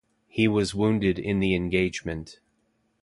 He was wounded in the engagement.